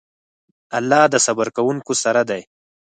الله د صبر کوونکو سره دی.